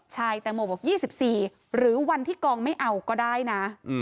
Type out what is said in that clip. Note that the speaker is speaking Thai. ใช่แตงโมบอก๒๔หรือวันที่กองไม่เอาก็ได้นะ